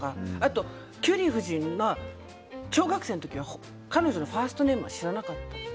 キュリー夫人は小学生の時彼女のファーストネーム知らなかったの。